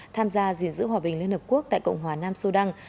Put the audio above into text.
tham gia diện giữ hòa bình liên hợp quốc tại cộng hòa nam sô đăng